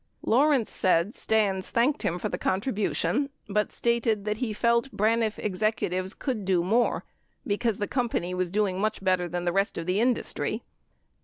Lawrence said StanS thanked him for the contribution, but stated that he felt Braniff execu tives could do more because the companv was doing much better than the rest of the industry.